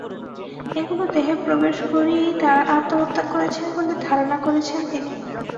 এগুলো দেহে প্রবেশ করিয়েই তাঁরা আত্মহত্যা করেছেন বলে ধারণা করছেন তিনি।